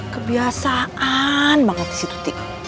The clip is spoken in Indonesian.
kebiasaan banget disitu tik